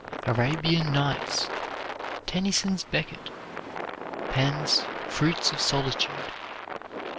"Arabian Nights." Tennyson's "Becket." Penn's "Fruits of Solitude."